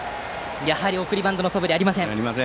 送りバントのそぶりはありません。